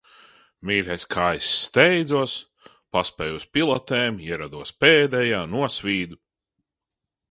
Mīļais, kā es steidzos! Paspēju uz pilatēm. Ierados pēdējā. Nosvīdu.